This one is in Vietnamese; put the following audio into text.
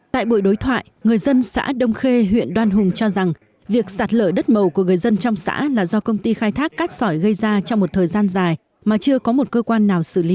tại buổi đối thoại người dân xã đông khê huyện đoan hùng cho rằng việc sạt lở đất màu của người dân trong xã là do công ty khai thác cát sỏi gây ra trong một thời gian dài mà chưa có một cơ quan nào xử lý